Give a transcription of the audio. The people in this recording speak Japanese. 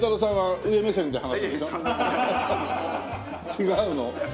違うの？